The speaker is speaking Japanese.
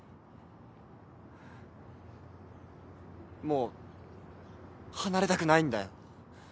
もう離れたくないんだよ。